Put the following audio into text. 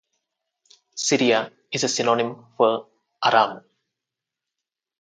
Syria is a synonym for Aram.